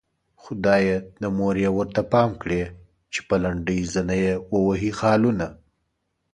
خدايه د مور يې ورته پام کړې چې په لنډۍ زنه يې ووهي خالونه